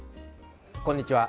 こんにちは。